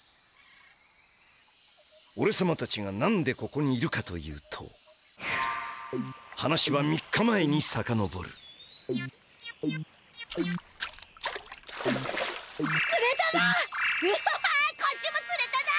おれさまたちが何でここにいるかというと話は３日前にさかのぼるつれただ！